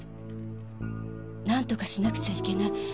〔「何とかしなくちゃいけない」